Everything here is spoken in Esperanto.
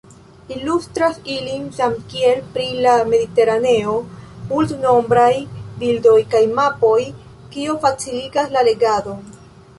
Ilustras ilin, samkiel pri "La Mediteraneo", multnombraj bildoj kaj mapoj, kio faciligas la legadon.